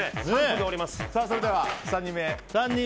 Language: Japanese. それでは、３人目。